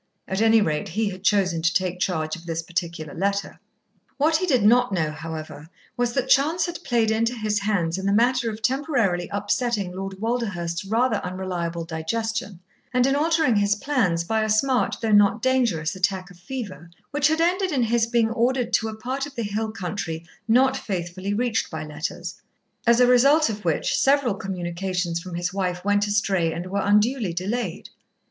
At any rate, he had chosen to take charge of this particular letter. What he did not know, however, was that chance had played into his hands in the matter of temporarily upsetting Lord Walderhurst's rather unreliable digestion, and in altering his plans, by a smart, though not dangerous, attack of fever which had ended in his being ordered to a part of the hill country not faithfully reached by letters; as a result of which several communications from his wife went astray and were unduly delayed.